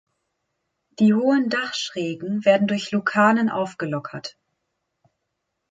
Die hohen Dachschrägen werden durch Lukarnen aufgelockert.